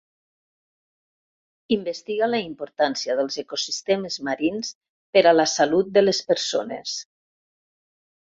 Investiga la importància dels ecosistemes marins per a la salut de les persones.